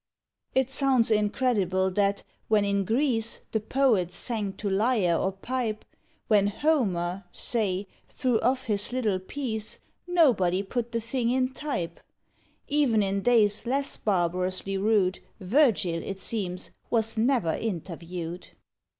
It sounds incredible that, when in Greece The poets sang to lyre or pipe, When HOMER (say) threw off his little piece, Nobody put the thing in type; Even in days less barbarously rude VIRGIL, it seems, was never interviewed.